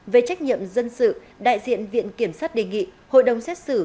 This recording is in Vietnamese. về trách nhiệm dân sự đại diện viện kiểm sát đề nghị hội đồng xét xử